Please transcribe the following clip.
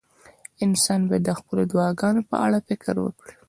انسان باید د خپلو دعاګانو په اړه فکر وکړي.